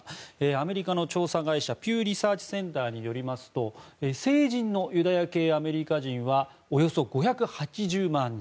アメリカの調査会社ピュー・リサーチ・センターによりますと成人のユダヤ系アメリカ人はおよそ５８０万人。